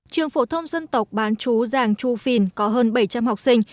trường phổ thông dân tộc bán chú giàng chu phìn có hơn bảy trăm linh học sinh